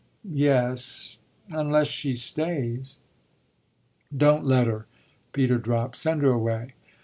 "Yes, unless she stays." "Don't let her," Peter dropped; "send her away."